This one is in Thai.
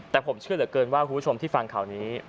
แต่ผมเชื่อเหลือเกินว่าคุณผู้ชมที่ฟังข่าวนี้